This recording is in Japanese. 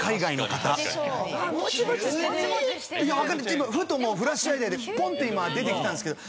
今ふっとフラッシュアイデアでポンッて今出てきたんですけど。